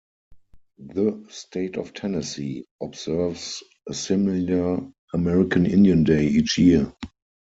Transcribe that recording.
The state of Tennessee observes a similar American Indian Day each year.